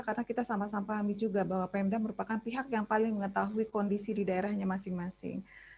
karena kita sama sama pahami juga bahwa pemda merupakan pihak yang paling mengetahui kondisi di daerahnya masing masing